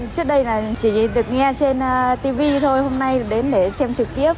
trước đây là chỉ được nghe trên tv thôi hôm nay đến để xem trực tiếp